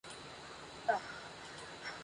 Entre ambos se despliega el valle del Ródano.